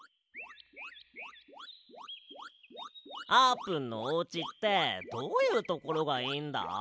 あーぷんのおうちってどういうところがいいんだ？